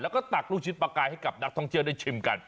แล้วก็ตักลูกชิ้นปลากายให้กับนักท่องเที่ยวได้ชิมกัน